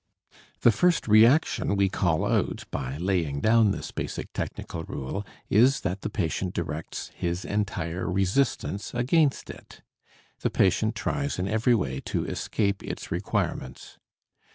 The first reaction we call out by laying down this basic technical rule is that the patient directs his entire resistance against it. The patient tries in every way to escape its requirements.